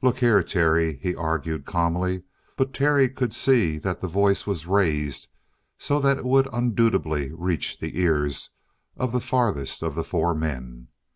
"Look here, Terry," he argued calmly, but Terry could see that the voice was raised so that it would undubitably reach the ears of the farthest of the four men.